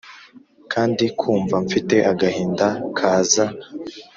kandi kumva mfite agahinda kaza